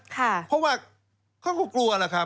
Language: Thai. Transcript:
เพราะว่าเขาก็กลัวแหละครับ